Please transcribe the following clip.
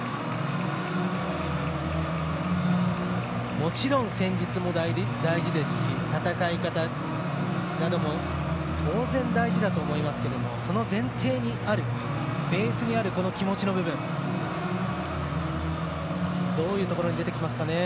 もちろん戦術も大事ですし戦い方なども当然、大事だと思いますけどその前提にあるベースにある、気持ちの部分どういうところに出てきますかね。